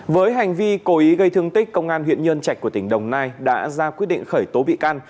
với hành vi cố ý gây thương tích công an huyện nhân trạch của tỉnh đồng nai đã ra quyết định khởi tố bị can